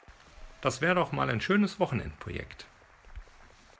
Das wäre doch mal ein schönes Wochenendprojekt!